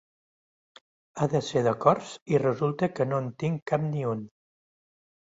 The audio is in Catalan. Ha de ser de cors i resulta que no en tinc cap ni un.